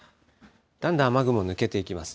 だんだん雨雲、抜けていきます。